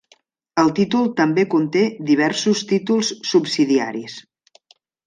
El títol també conté diversos títols subsidiaris.